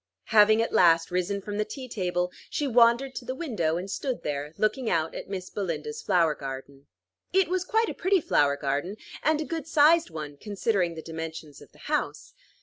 Having at last risen from the tea table, she wandered to the window, and stood there, looking out at Miss Belinda's flower garden. It was quite a pretty flower garden, and a good sized one considering the dimensions of the house.